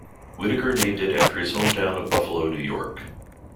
Whittacker named it after his hometown of Buffalo, New York.